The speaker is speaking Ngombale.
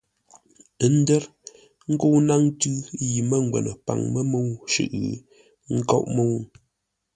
Ə́ ndə̌r ńkə́u ńnáŋ tʉ̌ yi mə́ngwə́nə paŋ mə́ mə́u shʉʼʉ, ə́ nkóʼ mə́u.